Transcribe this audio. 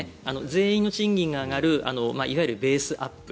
全員の賃金が上がるいわゆるベースアップ